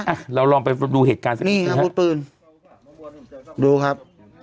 อ่ะเราลองไปดูเหตุการณ์สินี่อ่ะอุธปืนดูครับ